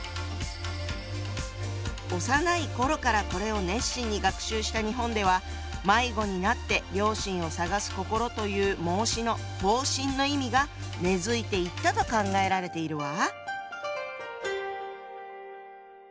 幼い頃からこれを熱心に学習した日本では「迷子になって良心を探す心」という孟子の「放心」の意味が根づいていったと考えられているわ！